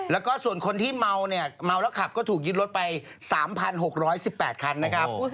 แล้วก็ส่วนคนที่เมาเนี่ยเมาแล้วขับก็ถูกยึดรถไป๓๖๑๘คันนะครับ